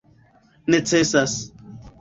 necesas